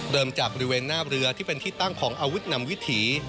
จากบริเวณหน้าเรือที่เป็นที่ตั้งของอาวุธนำวิถี